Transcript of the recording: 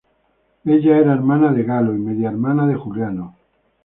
Ella era hermana de Galo y medio-hermana de Juliano.